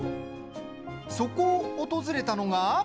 そこを訪れたのが。